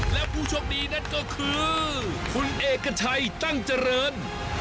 และผู้โชคดีนั่นก็คือคุณเอกชัยตั้งเจริญ